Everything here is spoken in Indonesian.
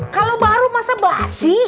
kalau baru masa basi